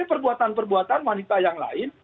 perbuatan perbuatan wanita yang lain